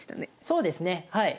そうですねはい。